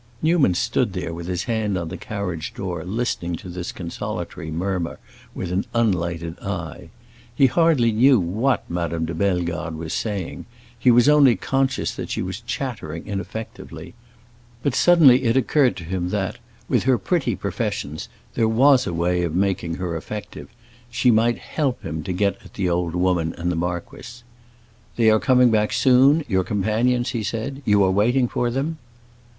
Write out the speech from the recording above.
Newman stood there with his hand on the carriage door listening to this consolatory murmur with an unlighted eye. He hardly knew what Madame de Bellegarde was saying; he was only conscious that she was chattering ineffectively. But suddenly it occurred to him that, with her pretty professions, there was a way of making her effective; she might help him to get at the old woman and the marquis. "They are coming back soon—your companions?" he said. "You are waiting for them?"